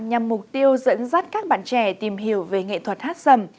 nhằm mục tiêu dẫn dắt các bạn trẻ tìm hiểu về nghệ thuật hát sầm